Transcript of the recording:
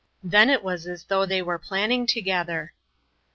Then it was as though they were planning together.